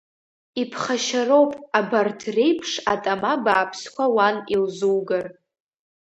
Иԥхашьароуп, абарҭ реиԥш атама бааԥсқәа уан илзугар.